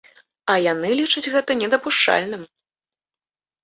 А яны лічаць гэта недапушчальным.